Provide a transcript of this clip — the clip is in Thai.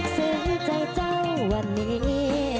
เสียใจเจ้าวันนี้